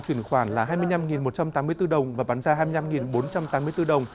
chuyển khoản là hai mươi năm một trăm tám mươi bốn đồng và bán ra hai mươi năm bốn trăm tám mươi bốn đồng